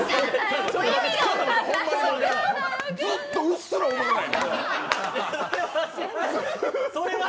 ずっとうっすらおもろない。